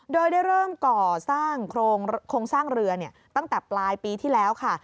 โดยได้เริ่มก่อสร้างโครงสร้างเรือตั้งแต่ปลายปีที่แล้วค่ะ